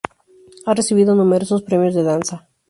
Ha recibido numerosos premios de danza.